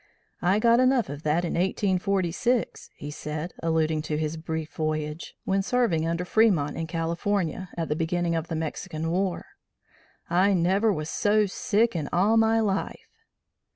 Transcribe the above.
"I got enough of that in 1846," he said, alluding to his brief voyage, when serving under Fremont in California, at the beginning of the Mexican war; "I never was so sick in all my life."